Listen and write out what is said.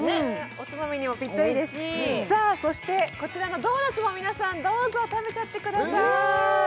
おつまみにもぴったりですそしてこちらのドーナツも皆さんどうぞ食べちゃってください